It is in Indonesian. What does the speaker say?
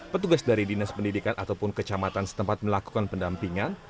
petugas dari dinas pendidikan ataupun kecamatan setempat melakukan pendampingan